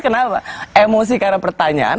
jadi mau buka kaos suara titiknya nanti